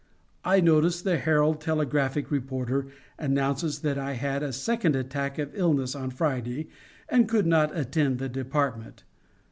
I notice the Herald telegraphic reporter announces that I had a second attack of illness on Friday and could not attend the department.